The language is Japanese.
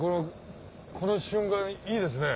この瞬間いいですね。